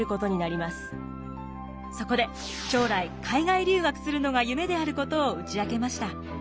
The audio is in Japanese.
そこで将来海外留学するのが夢であることを打ち明けました。